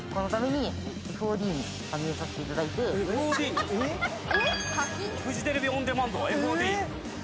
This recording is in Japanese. ＦＯＤ！？フジテレビオンデマンドＦＯＤ。